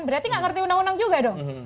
berarti nggak ngerti undang undang juga dong